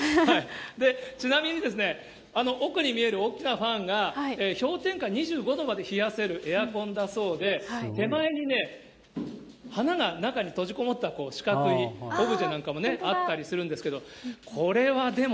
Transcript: ちなみに、奥に見える大きなファンが氷点下２５度まで冷やせるエアコンだそうで、手前にね、はなが中に閉じこもった四角いオブジェなんかもあったりするんですけど。